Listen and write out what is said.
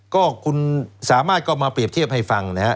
ก็คุณสามารถก็มาเปรียบเทียบให้ฟังนะฮะ